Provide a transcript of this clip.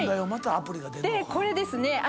これですね。